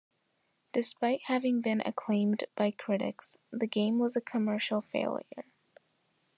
Despite having been acclaimed by critics, the game was a commercial failure.